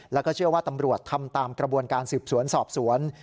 แล้วก็เชื่อว่าตำรวจทำตามกระบวนการสืบสวนสอบสวน